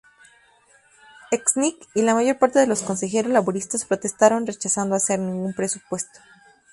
Knight y la mayor parte de los consejeros laboristas protestaron rechazando hacer ningún presupuesto.